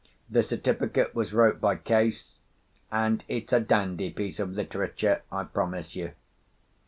The certificate was wrote by Case, and it's a dandy piece of literature, I promise you.